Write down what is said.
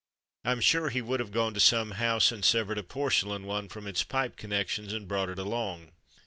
Fm sure he would have gone to some house and severed a porcelain one from its pipe connections and brought it along.